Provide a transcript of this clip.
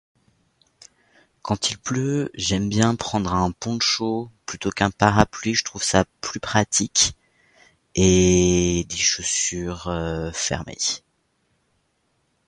Quand il pleut j'aime bien prendre un poncho plutôt qu'un parapluie, je trouve ça plus pratique, et des chaussures fermées.